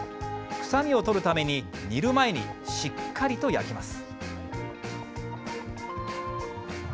臭みをとるために煮る前にしっかりと焼きます。